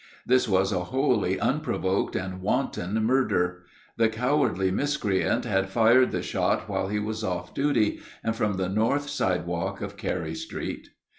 This was a wholly unprovoked and wanton murder; the cowardly miscreant had fired the shot while he was off duty, and from the north sidewalk of Carey street.